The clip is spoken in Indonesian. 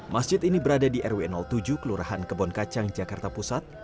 masjid ini berada di rw tujuh kelurahan kebon kacang jakarta pusat